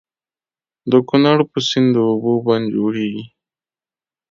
د کنړ په سيند د اوبو بند جوړيږي.